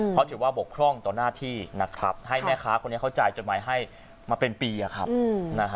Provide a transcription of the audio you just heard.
แม่ค้าคนนี้เขาจ่ายจดหมายให้มาเป็นปีอ่ะครับอืมนะฮะ